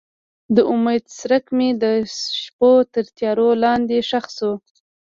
د امید څرک مې د شپو تر تیارو لاندې ښخ شو.